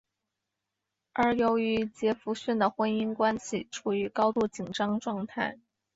而由于杰佛逊的婚姻关系处于高度紧张状态。